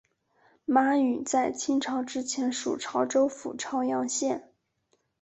妈屿在清朝之前属潮州府潮阳县。